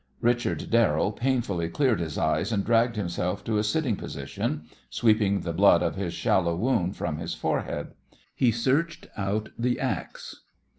Richard Darrell painfully cleared his eyes and dragged himself to a sitting position, sweeping the blood of his shallow wound from his forehead. He searched out the axe.